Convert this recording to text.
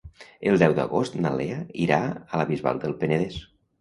El deu d'agost na Lea irà a la Bisbal del Penedès.